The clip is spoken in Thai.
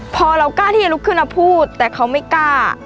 พอเรากล้าที่จะลุกขึ้นมาพูดแต่เขาไม่กล้า